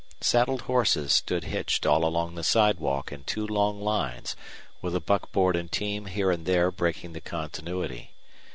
Saddled horses stood hitched all along the sidewalk in two long lines, with a buckboard and team here and there breaking the continuity.